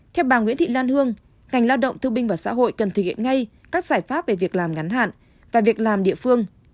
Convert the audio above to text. theo bà nguyễn thị lan hương ngành lao động thương binh và xã hội cần thực hiện ngay các giải pháp về việc làm ngắn hạn và việc làm địa phương